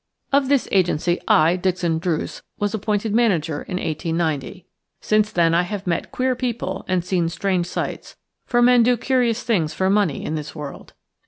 Of this agency I, Dixon Druce, was appointed manager in 1890. Since then I have met queer people and seen strange sights, for men do curious things for money in this world.